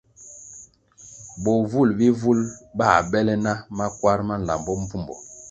Bovul bihvul bā bèlè na makwar ma nlambo mbvumbo.